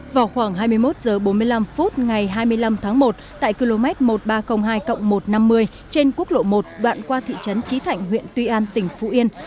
vào khoảng hai mươi một h bốn mươi năm phút ngày hai mươi năm tháng một tại km một nghìn ba trăm linh hai một trăm năm mươi trên quốc lộ một đoạn qua thị trấn trí thạnh huyện tuy an tỉnh phú yên